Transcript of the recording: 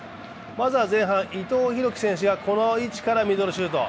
まずは前半、伊藤洋輝選手がこの位置からミドルシュート。